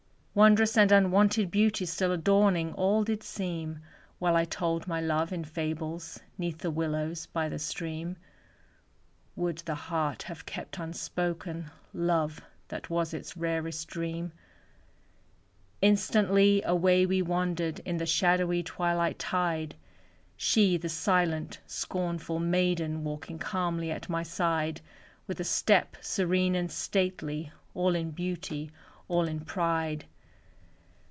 Wondrous and unwonted beauty Still adorning all did seem, While I told my love in fables 'Neath the willows by the stream; Would the heart have kept unspoken Love that was its rarest dream! Instantly away we wandered In the shadowy twilight tide, She, the silent, scornful maiden, Walking calmly at my side, With a step serene and stately, All in beauty, all in pride.